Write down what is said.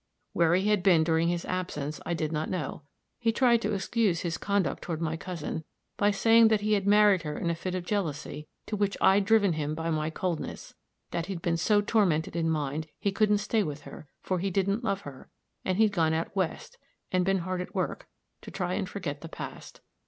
Where he had been during his absence I did not know. He tried to excuse his conduct toward my cousin, by saying that he had married her in a fit of jealousy, to which I'd driven him by my coldness; that he'd been so tormented in mind he couldn't stay with her, for he didn't love her, and he'd gone out West, and been hard at work, to try and forget the past.